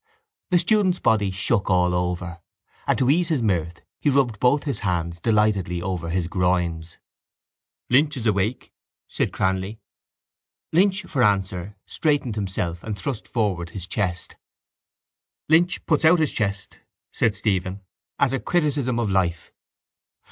The student's body shook all over and, to ease his mirth, he rubbed both his hands delightedly over his groins. —Lynch is awake, said Cranly. Lynch, for answer, straightened himself and thrust forward his chest. —Lynch puts out his chest, said Stephen, as a criticism of life.